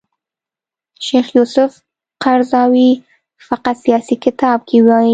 شیخ یوسف قرضاوي فقه سیاسي کتاب کې وايي